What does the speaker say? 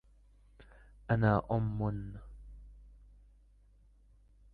أنا أمّ.